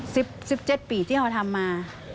สิบสิบเจ็ดปีที่เขาทำมา